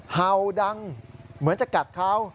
เห่าดังเหมือนจะกัดเขา